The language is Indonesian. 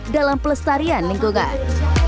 dalam pelestarian lingkungan